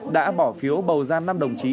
đã bỏ phiếu bầu gian năm đồng chí